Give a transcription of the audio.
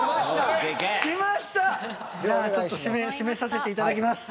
じゃあちょっと締めさせて頂きます。